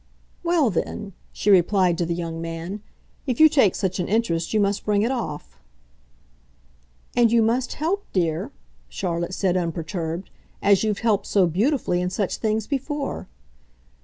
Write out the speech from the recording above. "Well then," she replied to the young man, "if you take such an interest you must bring it off." "And you must help, dear," Charlotte said unperturbed "as you've helped, so beautifully, in such things before."